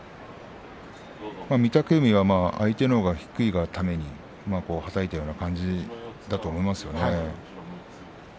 御嶽海は相手のほうが低いがためにはたいたような感じだと思うんですけれど。